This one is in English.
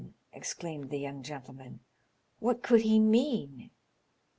" exclaimed the young gentleman. What could he mean